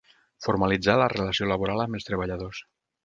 Formalitzar la relació laboral amb els treballadors.